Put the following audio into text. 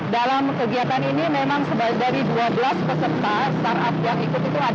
dalam kegiatan ini memang dari dua belas peserta startup yang ikut itu